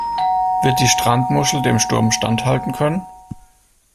Wird die Strandmuschel dem Sturm standhalten können?